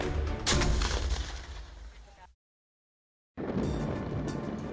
kami juga mempersiapkan latihan m satu dan m dua untuk menang